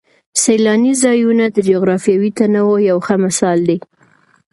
سیلاني ځایونه د جغرافیوي تنوع یو ښه مثال دی.